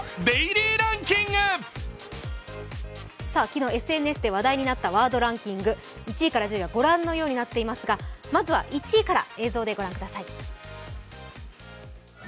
昨日ＳＮＳで話題になったワードランキング、１位から１０位はご覧のようになっていますが、まずは１位から映像でご覧ください